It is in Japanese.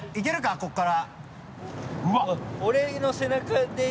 ここから。